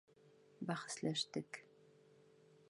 Бәхәсләштек.